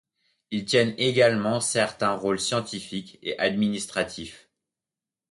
Ils tiennent également certains rôles scientifiques et administratifs.